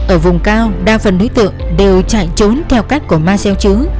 ở vùng cao đa phần đối tượng đều chạy trốn theo cách của ma xeo chứ